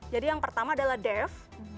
jadi yang pertama adalah deaf